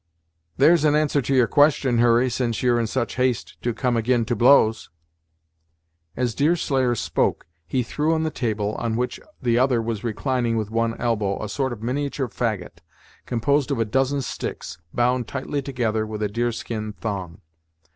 "There's an answer to your question, Hurry, since you're in such haste to come ag'in to blows." As Deerslayer spoke, he threw on the table on which the other was reclining with one elbow a sort of miniature fagot, composed of a dozen sticks bound tightly together with a deer skin thong.